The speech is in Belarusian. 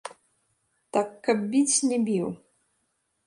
Так каб біць, не біў.